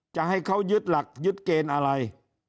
จะให้เขายึดหลักยึดเกณฑ์อะไร